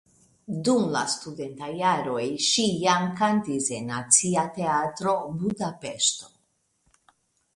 Dum la studentaj jaroj ŝi jam kantis en Nacia Teatro (Budapeŝto).